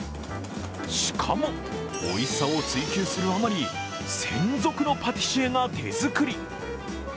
しかも、おいしさを追求するあまり専属のパティシエが手作り。